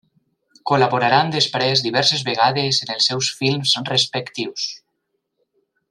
Col·laboraran després diverses vegades en els seus films respectius.